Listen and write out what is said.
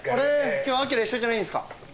今日あきら一緒じゃないんですか？